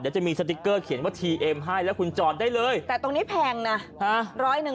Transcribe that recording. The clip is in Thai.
เดี๋ยวจะมีสติ๊กเกอร์เขียนว่าทีเอ็มให้แล้วคุณจอดได้เลยแต่ตรงนี้แพงนะ